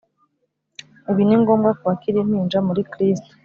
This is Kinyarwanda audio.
Ibi ni ngombwa ku bakiri impinja muri Kristo.